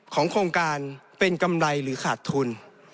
โครงการเป็นกำไรหรือขาดทุน